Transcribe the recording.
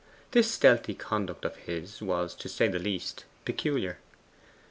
This stealthy conduct of his was, to say the least, peculiar.